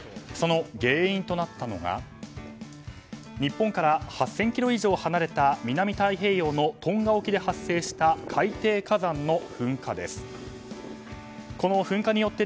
その原因となったのが日本から８０００ｋｍ以上離れた南太平洋のトンガ沖で発生した海底火山の噴火です。